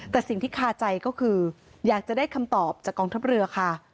แต่สิ่งที่คาใจก็คืออยากจะได้คำตอบจากกองทัพเรือค่ะ